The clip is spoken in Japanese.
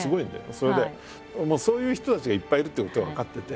それでそういう人たちがいっぱいいるっていうことは分かってて。